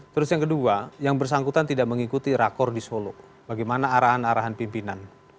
terus yang kedua yang bersangkutan tidak mengikuti rakor di solo bagaimana arahan arahan pimpinan